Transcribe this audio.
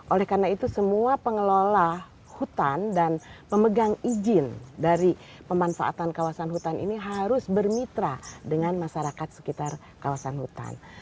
oleh karena itu semua pengelola hutan dan pemegang izin dari pemanfaatan kawasan hutan ini harus bermitra dengan masyarakat sekitar kawasan hutan